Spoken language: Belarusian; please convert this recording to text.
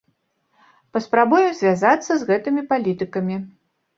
Паспрабуем звязацца з гэтымі палітыкамі.